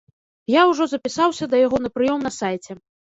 Я ўжо запісаўся да яго на прыём на сайце.